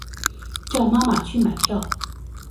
叫妈妈去买票